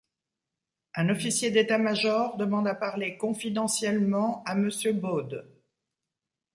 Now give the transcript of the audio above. Un officier d'état-major demande à parler confidentiellement à monsieur Baude !